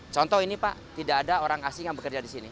contoh ini pak tidak ada orang asing yang bekerja di sini